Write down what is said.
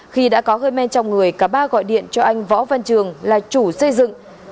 khi đã có hơi men trong người cả ba gọi điện cho anh võ văn trường là chủ xây dựng